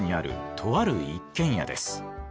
とある一軒家です。